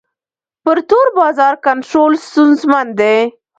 پر تور بازار کنټرول ستونزمن دی.